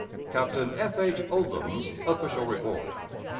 _Captain F. H. Odlum's Official Report.